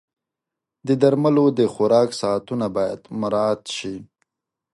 د درملو د خوراک ساعتونه باید مراعت شي.